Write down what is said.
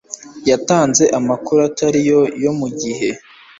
yatanze amakuru atari yo mu gihe